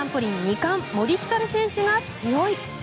冠森ひかる選手が強い。